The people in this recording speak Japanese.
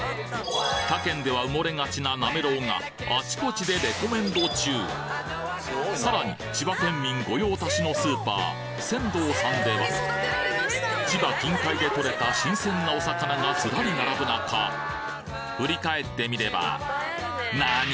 他県では埋もれがちななめろうがあちこちでレコメンド中さらに千葉県民ご用達のスーパーせんどうさんでは千葉近海で獲れた新鮮なお魚がずらり並ぶ中振り返ってみれば何！？